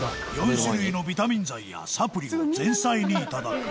４種類のビタミン剤やサプリを前菜にいただく